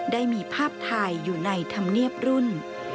ได้มีภาพถ่ายอยู่ในธรรมเนียบรุ่น